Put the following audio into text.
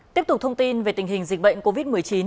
tiếp tục thông tin về tình hình dịch bệnh covid một mươi chín